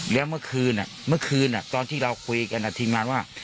แล้วเมื่อคืนเมื่อคืนตอนที่เราคุยกันทีมงานว่า